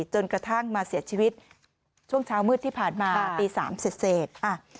จนกระทั่งมาเสียชีวิตช่วงเช้ามืดที่ผ่านมาตี๓เสร็จ